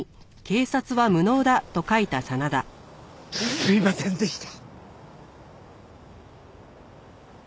すいませんでした。